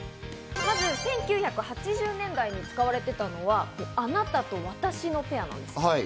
まず１９８０年代に使われていたのは、あなたと私のペアなんです。